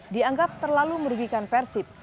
dianggap terlalu merugikan persib